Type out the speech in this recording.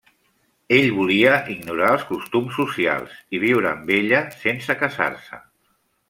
Ell volia ignorar els costums socials i viure amb ella sense casar-se.